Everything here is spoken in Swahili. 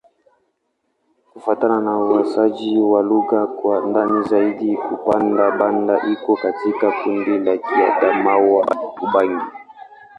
Kufuatana na uainishaji wa lugha kwa ndani zaidi, Kibanda-Banda iko katika kundi la Kiadamawa-Ubangi.